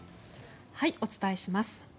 お伝えします。